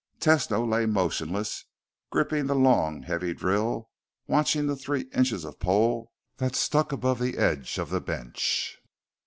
Tesno lay motionless, gripping the long, heavy drill, watching the three inches of pole that stuck above the edge of the bench.